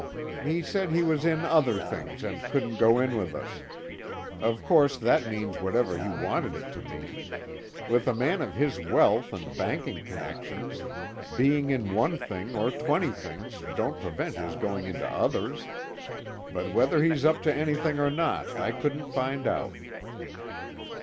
He said he was in other things, and couldn't go in with us. Of course that means whatever he wanted it to mean. With a man of his wealth and banking connections, being in one thing or twenty things, don't prevent his going into others. But whether he's up to anything or not, I couldn't find out."